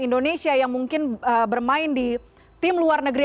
indonesia yang mungkin bermain di tim luar negeri